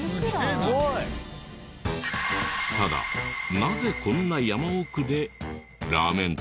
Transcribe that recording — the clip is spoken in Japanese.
ただなぜこんな山奥でラーメン店を？